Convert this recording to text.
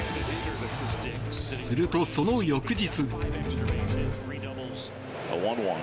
すると、その翌日。